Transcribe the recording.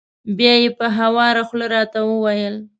بیا یې په خواره خوله را ته و ویل: